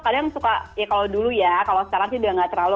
kadang suka ya kalau dulu ya kalau sekarang sih udah gak terlalu